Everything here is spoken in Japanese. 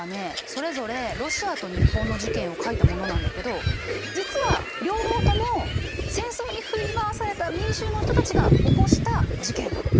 それぞれロシアと日本の事件を描いたものなんだけど実は両方とも戦争に振り回された民衆の人たちが起こした事件なの。